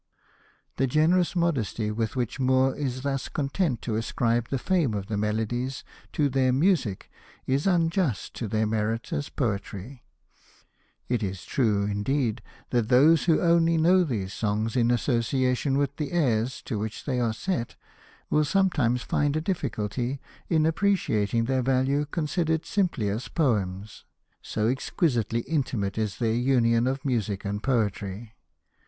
The generous modesty with which Moore is thus content to ascribe the fame of the Melodies to their music is unjust to their merit as poetry. It is true, indeed, that those who only know these songs in association with the airs to which they are set will sometimes find a difficulty in appreciating their value considered simply as poems, so exquisitely intimate is their union of music and poetry.